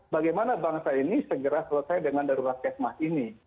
bagaimana bangsa ini segera selesai dengan darurat kesmah ini